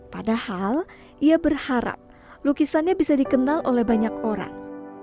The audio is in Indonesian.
padahal ia berharap lukisannya bisa dikenal oleh banyak orang